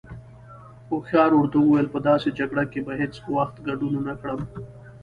هوښيار ورته وويل: په داسې جگړه کې به هیڅ وخت گډون ونکړم.